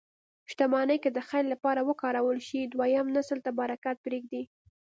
شتمني که د خیر لپاره وکارول شي، دویم نسل ته برکت پرېږدي.